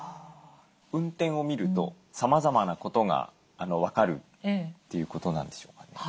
運転を見るとさまざまなことが分かるということなんでしょうかね？